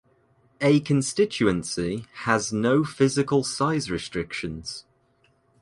A constituency has no physical size restrictions.